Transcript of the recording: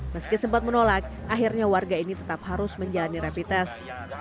meski sempat menolak akhirnya warga ini tetap harus menjalani rapid test